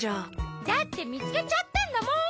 だってみつけちゃったんだもん。